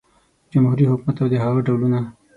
جمهوري حکومت او د هغه ډولونه